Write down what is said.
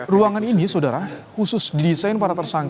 ruangan ini saudara khusus didesain para tersangka